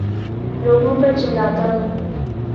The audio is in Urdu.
لوگوں پر چلاتا ہوں